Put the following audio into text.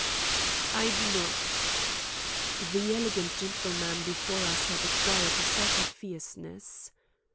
"I do not." The elegant gentleman before us had acquired a certain fierceness.